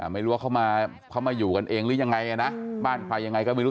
ไม่รู้ว่าเขามาอยู่กันเองหรือยังไงนะบ้านใครยังไงก็ไม่รู้